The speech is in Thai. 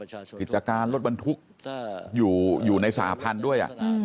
มีบรรดาผิดจาการลดบรรทุกอยู่ในสหพันธ์ด้วย